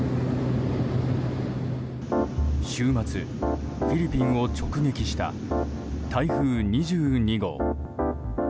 週末、フィリピンを直撃した台風２２号。